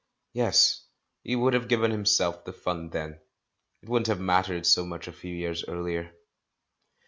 Yes, he would have given him self the fun then! It wouldn't have mattered so much a few years earlier.